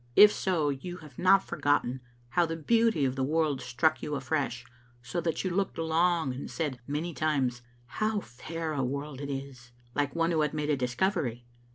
If so, you have not forgotten how the beauty of the world struck you afresh, so that you looked long and said many times, "How fair a world it is!" like one who had made a discovery.